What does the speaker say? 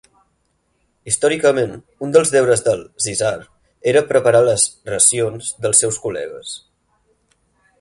Històricament, un dels deures del "sizar" era preparar les "racions" dels seus col·legues.